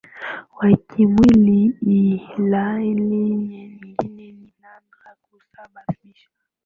wa kimwili ilhali nyingine ni nadra kusababisha